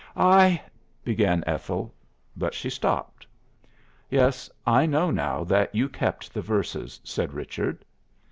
"I" began Ethel. But she stopped. "Yes, I know now that you kept the verses," said Richard.